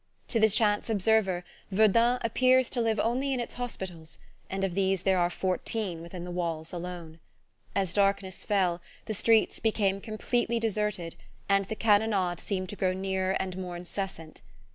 To the chance observer, Verdun appears to live only in its hospitals; and of these there are fourteen within the walls alone. As darkness fell, the streets became completely deserted, and the cannonade seemed to grow nearer and more incessant.